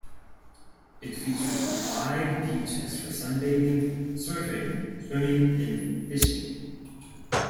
It features wide beaches for sunbathing, surfing, swimming, and fishing.